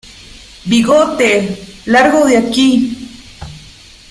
¡ Bigotes, largo de aquí!